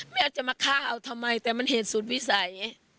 แม่จะมาฆ่าเอาทำไมแต่มันเหตุสุดวิสัย